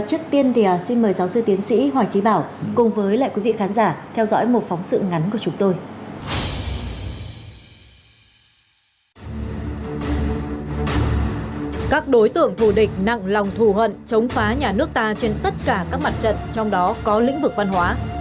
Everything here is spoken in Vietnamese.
các đối tượng thù địch nặng lòng thù hận chống phá nhà nước ta trên tất cả các mặt trận trong đó có lĩnh vực văn hóa